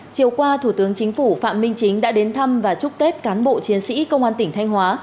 chiều qua thủ tướng chính phủ phạm minh chính đã đến thăm và chúc tết cán bộ chiến sĩ công an tỉnh thanh hóa